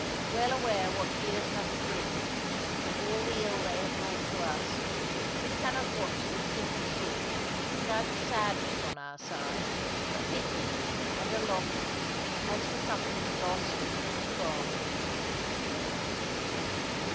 Well aware what years must bring, from all the ill they have brought to us, we cannot watch this simple sort without a sadness on our side, a pity, and a longing, as for something lost and gone.